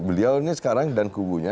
beliau ini sekarang dan kubunya